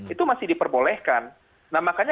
itu masih diperbolehkan nah makanya